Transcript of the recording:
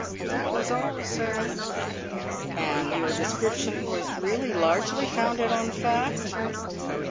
"That was all, sir." "And your description was really largely founded on fact?"